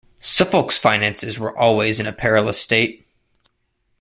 Suffolk's finances were always in a perilous state.